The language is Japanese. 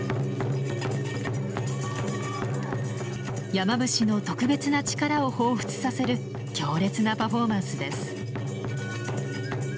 山伏の特別な力をほうふつさせる強烈なパフォーマンスです。